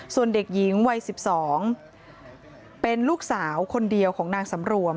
ส่วนเด็กหญิงวัย๑๒เป็นลูกสาวคนเดียวของนางสำรวม